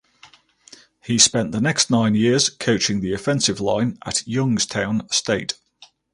He spent the next nine years coaching the offensive line at Youngstown State.